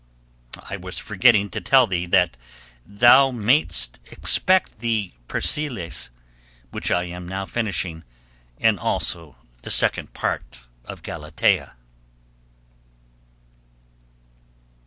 I was forgetting to tell thee that thou mayest expect the "Persiles," which I am now finishing, and also the Second Part of "Galatea."